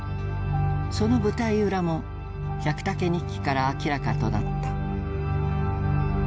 その舞台裏も「百武日記」から明らかとなった。